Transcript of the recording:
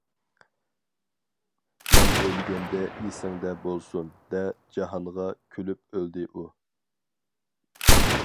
مەن ئۆلگەندە ئېسىڭدە بولسۇن، دە جاھانغا: كۈلۈپ ئۆلدى ئۇ.